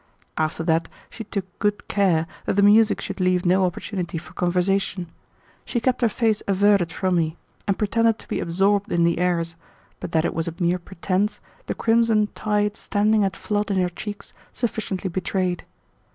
After that she took good care that the music should leave no opportunity for conversation. She kept her face averted from me, and pretended to be absorbed in the airs, but that it was a mere pretense the crimson tide standing at flood in her cheeks sufficiently betrayed.